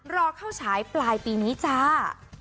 รอเข้าฉายปลายปีนี้จ้า